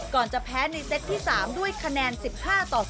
ก่อนจะแพ้ในเซ็ตที่๓ด้วย๑๕ต่อ๑๓